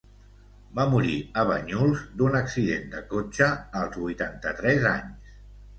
Va morir a Banyuls d'un accident de cotxe als vuitanta-tres anys.